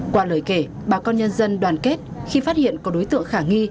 qua lời kể bà con nhân dân đoàn kết khi phát hiện có đối tượng khả nghi